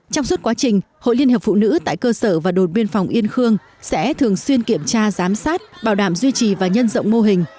trong suốt quá trình hội liên hiệp phụ nữ tại cơ sở và đồn biên phòng yên khương sẽ thường xuyên kiểm tra giám sát bảo đảm duy trì và nhân rộng mô hình